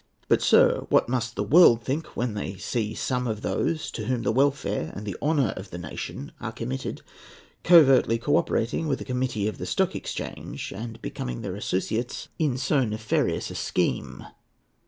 But, sir, what must the world think, when they see some of those to whom the welfare and the honour of the nation are committed covertly co operating with a Committee of the Stock Exchange, and becoming their associates in so nefarious a scheme?